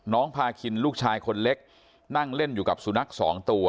พาคินลูกชายคนเล็กนั่งเล่นอยู่กับสุนัขสองตัว